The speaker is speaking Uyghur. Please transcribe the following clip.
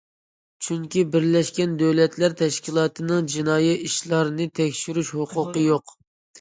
چۈنكى بىرلەشكەن دۆلەتلەر تەشكىلاتىنىڭ جىنايى ئىشلارنى تەكشۈرۈش ھوقۇقى يوق.